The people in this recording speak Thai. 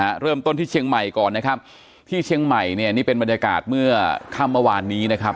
เริ่มต้นที่เชียงใหม่ก่อนนะครับที่เชียงใหม่เนี่ยนี่เป็นบรรยากาศเมื่อค่ำเมื่อวานนี้นะครับ